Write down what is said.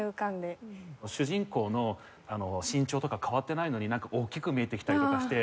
主人公の身長とか変わってないのになんか大きく見えてきたりとかして。